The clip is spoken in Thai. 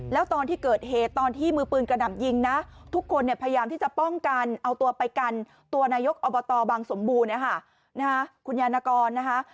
แล้วตอนที่เกิดเหตุตอนที่มือปืนกระหน่ำยิงนะทุกคนเนี่ยพยายามที่จะป้องกันเอาตัวไปกันตัวนายกอบตบางสมบูรณ์นะคะคุณยานกรนะคะ